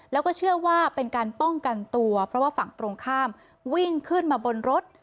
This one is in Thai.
แล้วก็เชื่อว่าเป็นการป้องกันตัวเพราะว่าฝั่งตรงข้ามวิ่งขึ้นมาบนรถ